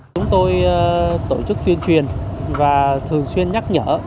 chúng tôi tổ chức tuyên truyền và thường xuyên nhắc nhở